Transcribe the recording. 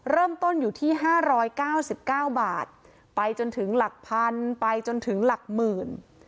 เริ่มต้นอยู่ที่๕๙๙บาทไปจนถึงหลักพันไปจนถึงหลักหมื่น